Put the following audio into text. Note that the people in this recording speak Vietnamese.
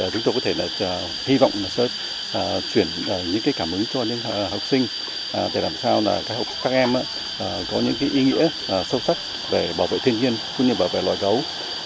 chúng tôi hy vọng sẽ chuyển những cảm ứng cho những học sinh để làm sao các em có những ý nghĩa sâu sắc về bảo vệ thiên nhiên cũng như bảo vệ loài gấu